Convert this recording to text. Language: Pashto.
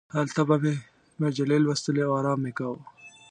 هلته به مې مجلې لوستلې او ارام مې کاوه.